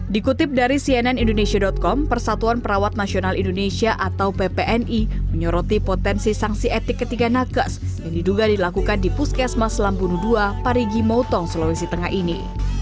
dikutip dari cnnindonesia com persatuan perawat nasional indonesia atau ppni menyoroti potensi sanksi etik ketiga nakas yang diduga dilakukan di puskesma selambunudua parigi motong sulawesi tengah ini